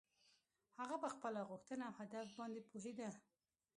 هغه په خپله غوښتنه او هدف باندې پوهېده.